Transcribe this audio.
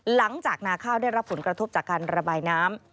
นาข้าวได้รับผลกระทบจากการระบายน้ำ